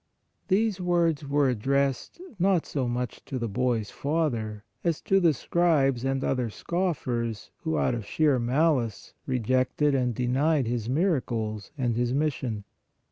" These words were addressed, not so much to the boy s father, as to the scribes and other scoffers who, out of sheer malice, rejected and denied His miracles and His mission.